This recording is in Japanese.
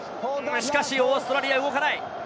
しかしオーストラリア動かない。